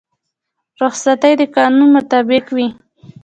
رخصتي د قانون مطابق وي